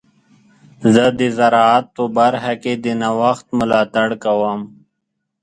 زه د زراعت په برخه کې د نوښت ملاتړ کوم.